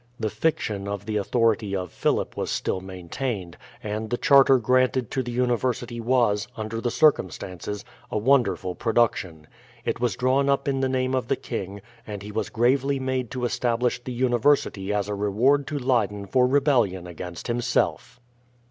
The fiction of the authority of Philip was still maintained, and the charter granted to the university was, under the circumstances, a wonderful production. It was drawn up in the name of the king, and he was gravely made to establish the university as a reward to Leyden for rebellion against himself.